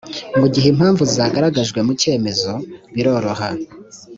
mu gihe impamvu zagaragajwe mu cyemezo biroroha